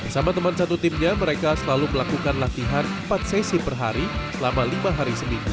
bersama teman satu timnya mereka selalu melakukan latihan empat sesi per hari selama lima hari seminggu